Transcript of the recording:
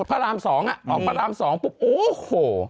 พระราม๒อ่ะออกพระราม๒ปุ๊บโอ้โห